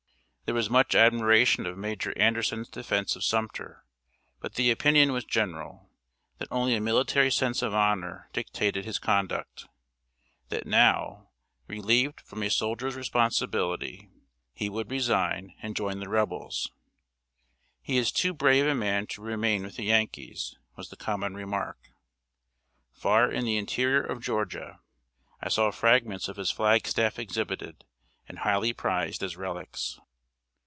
There was much admiration of Major Anderson's defense of Sumter; but the opinion was general, that only a military sense of honor dictated his conduct; that now, relieved from a soldier's responsibility, he would resign and join the Rebels. "He is too brave a man to remain with the Yankees," was the common remark. Far in the interior of Georgia, I saw fragments of his flag staff exhibited, and highly prized as relics.